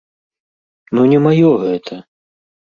Ну не маё гэта!